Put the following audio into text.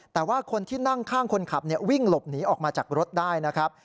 แต่ว่าคนที่นั่งข้างคนขับวิ่งหลบหนีออกมาจากรถได้นะครับ